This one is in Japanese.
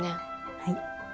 はい。